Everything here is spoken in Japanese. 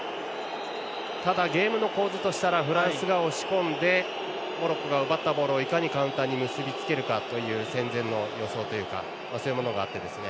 ただ、ゲームの構図としてはフランスが押し込んでモロッコが奪ったボールをいかにカウンターに結びつけるかという戦前の予想というかそういうものがあってですね。